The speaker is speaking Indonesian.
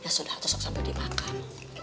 ya sudah tusok sampai dimakan